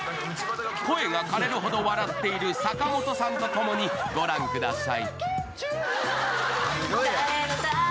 声がかれるほど笑っている坂本さんとともに御覧ください。